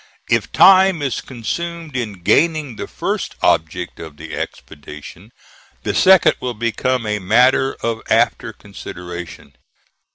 If time is consumed in gaining the first object of the expedition, the second will become a matter of after consideration.